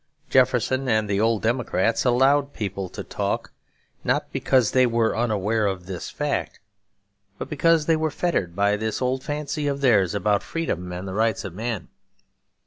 Jefferson and the old democrats allowed people to talk, not because they were unaware of this fact, but because they were fettered by this old fancy of theirs about freedom and the rights of man.